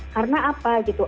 karena apa gitu